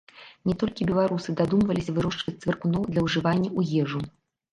Не толькі беларусы дадумваліся вырошчваць цвыркуноў для ўжывання ў ежу.